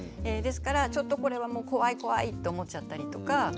ですからちょっとこれは怖い怖いと思っちゃったりとか。